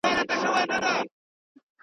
یو لوی ډنډ وو تر سایو د ونو لاندي !.